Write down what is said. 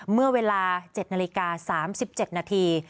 เมื่อเวลา๗นาฬิกา๓๗นาที